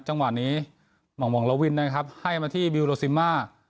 จังหวะนี้หม่องละวินนะครับให้มาที่บิลโลซิมา